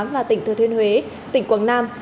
và tỉnh thừa thuyên huế tỉnh quảng nam